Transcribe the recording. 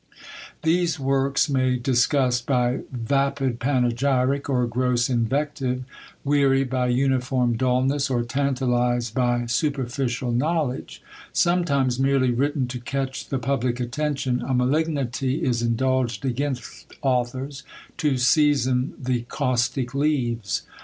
These works may disgust by vapid panegyric, or gross invective; weary by uniform dulness, or tantalise by superficial knowledge. Sometimes merely written to catch the public attention, a malignity is indulged against authors, to season the caustic leaves.